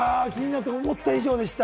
思った以上でした。